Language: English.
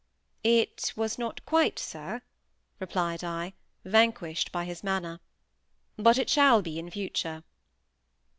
"It was not quite, sir," replied I, vanquished by his manner; "but it shall be in future."